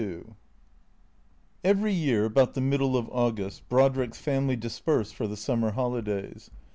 XXXII EYEEY year, about the middle of August, Brodrick's family dispersed for the summer holidays.